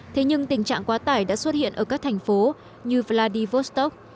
thế nhưng tình trạng quá tải đã xuất hiện ở các thành phố như vladivostok